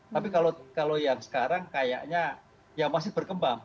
tapi kalau yang sekarang kayaknya ya masih berkembang